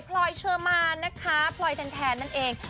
พลอยเชอร์มานนะคะพลอยแทนนั่นเอง